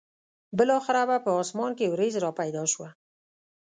بالاخره به په اسمان کې ورېځ را پیدا شوه.